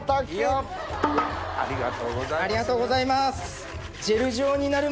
ありがとうございます。